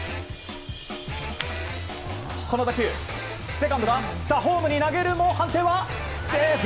この打球セカンドがホームに投げるも判定はセーフ。